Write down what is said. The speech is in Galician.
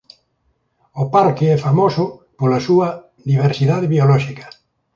O parque é famoso pola súa diversidade biolóxica.